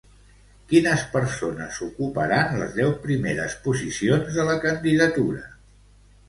Quines persones ocuparan les deu primeres posicions de la candidatura?